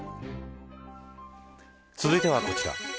続いてはこちら。